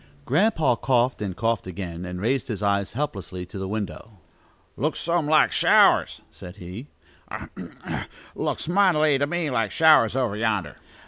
Grandpa coughed, and coughed again, and raised his eyes helplessly to the window. "Looks some like showers," said he. "A hem! a hem! Looks mightily to me like showers, over yonder."